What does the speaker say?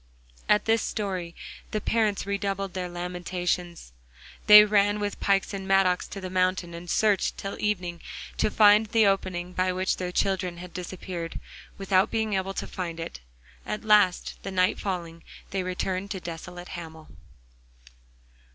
At this story the parents redoubled their lamentations. They ran with pikes and mattocks to the mountain, and searched till evening to find the opening by which their children had disappeared, without being able to find it. At last, the night falling, they returned desolate to Hamel.